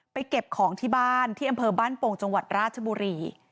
เก็บของที่บ้านที่อำเภอบ้านโป่งจังหวัดราชบุรี